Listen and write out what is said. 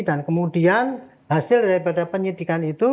dan kemudian hasil daripada penyidikan itu